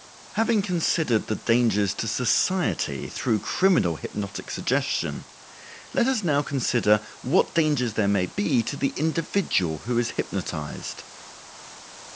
Having considered the dangers to society through criminal hypnotic suggestion, let us now consider what dangers there may be to the individual who is hypnotized.